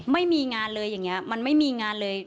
ไม่มีงานเลยอย่างนี้มันไม่มีงานเลย